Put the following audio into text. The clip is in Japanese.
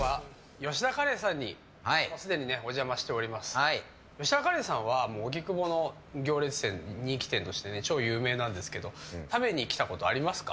吉田カレーさんは荻窪の行列人気店として超有名なんですが食べに来たことありますか？